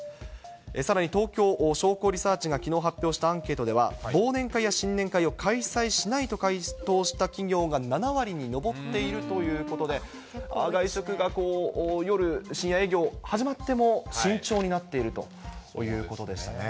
さらに、東京商工リサーチがきのう発表したアンケートでは、忘年会や新年会を開催しないと回答した企業が７割に上っているということで、外食が夜、深夜営業始まっても、慎重になっているということでしたね。